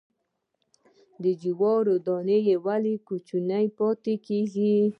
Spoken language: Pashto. د جوارو دانه ولې کوچنۍ پاتې کیږي؟